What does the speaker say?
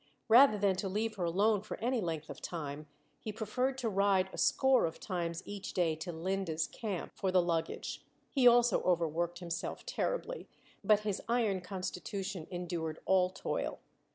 Rather than to leave her alone for any length of time, he preferred to ride a score of times each day to Linde's camp for the luggage. He also overworked himself terribly, but his iron constitution endured all toil.